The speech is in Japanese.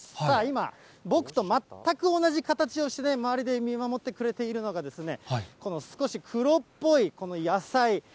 さあ、今、僕と全く同じ形をして、周りで見守ってくれているのが、この少し黒っぽい、この野菜。